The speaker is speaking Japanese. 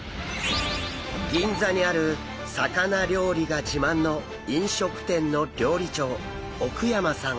銀座にある魚料理が自慢の飲食店の料理長奥山さん。